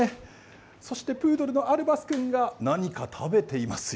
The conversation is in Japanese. そしてプードルのアルバス君が何か食べていますよ。